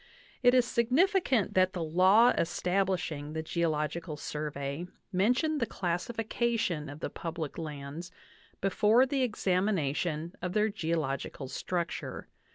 It is significant that the law establishing the Geological Survey mentioned the. classification of the public lands before the ex amination of their geological structure.